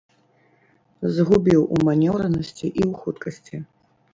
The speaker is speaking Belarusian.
Згубіў у манеўранасці і ў хуткасці.